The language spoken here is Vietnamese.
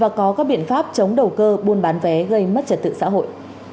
và có các biện pháp chống đầu cơ buôn bán vé gây mất trật tự xã hội